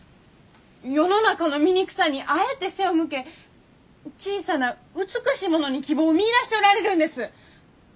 世の中の醜さにあえて背を向け小さな美しいものに希望を見いだしておられるんです！